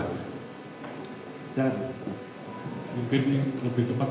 mungkin lebih tepat